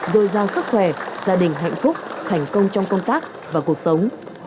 rồi giao sức khỏe gia đình hạnh phúc thành công trong công tác và cuộc sống